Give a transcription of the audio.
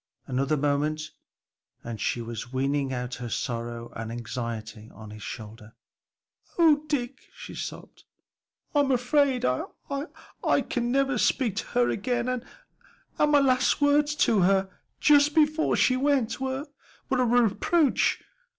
Another moment and she was weening out her sorrow and anxiety on his shoulder. "O Dick," she sobbed, "I'm afraid I can never speak to her again, and and my last words to her, just before she went, were a reproach.